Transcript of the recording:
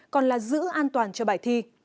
còn là giữ an toàn cho bài thi